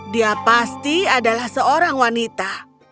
dia pasti adalah seorang wanita